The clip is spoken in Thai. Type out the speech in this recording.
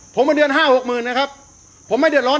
ผมมาเดือนห้าหกหมื่นนะครับผมไม่เดือดร้อน